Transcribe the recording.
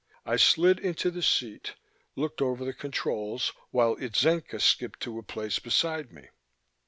I slid into the seat, looked over the controls, while Itzenca skipped to a place beside me.